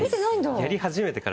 やり始めてから。